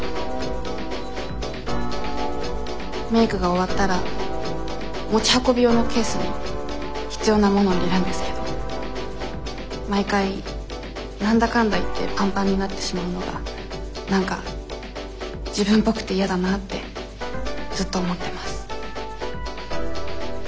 メークが終わったら持ち運び用のケースに必要なものを入れるんですけど毎回何だかんだ言ってパンパンになってしまうのが何か自分っぽくて嫌だなってずっと思ってます。